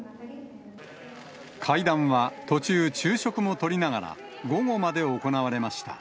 会談は途中、昼食もとりながら、午後まで行われました。